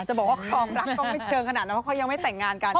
จะบอกว่าความรักต้องไม่เชิงขนาดนั้นเพราะเขายังไม่แต่งงานกัน